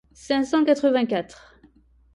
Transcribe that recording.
Cinq cent quatre-vingt-quatre!